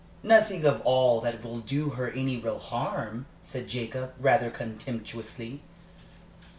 "Nothing of all that will do her any real harm," said Jacob, rather contemptuously.